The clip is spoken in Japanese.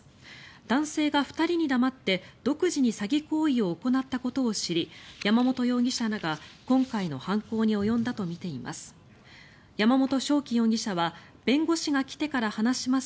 男性が２人に黙って独自に詐欺行為を行ったことを知り山本容疑者らが今回の犯行に及んだとみています。